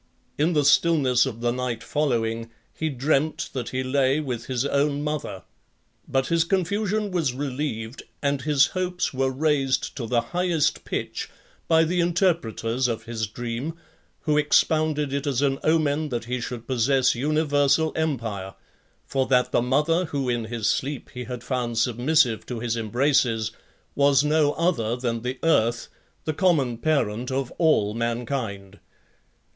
In the stillness of the night following, he dreamt that he lay with his own mother; but his confusion was relieved, and his hopes were raised to the highest pitch, by the interpreters of his dream, who expounded it as an omen that he should possess universal empire; for (6) that the mother who in his sleep he had found submissive to his embraces, was no other than the earth, the common parent of all mankind.